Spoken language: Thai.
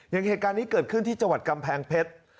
อย่างเหตุการณ์นี้เกิดขึ้นที่จังหวัดกำแพงเพชร